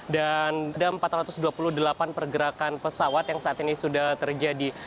dan ada empat ratus dua puluh delapan pergerakan pesawat yang saat ini sudah terjadi